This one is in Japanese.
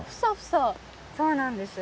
そうなんです。